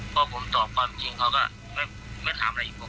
พอผมตอบความจริงเขาก็ไม่ถามอะไรอีกผม